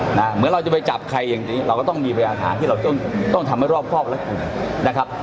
เหมือนเราจะไปจับใครอย่างนี้เราก็ต้องมีพยายามฐานที่เราต้องทำให้รอบครอบและกลุ่มนะครับ